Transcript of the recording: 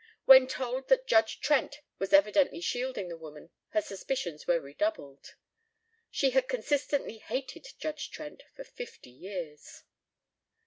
When told that Judge Trent was evidently shielding the woman her suspicions were redoubled. She had consistently hated Judge Trent for fifty years.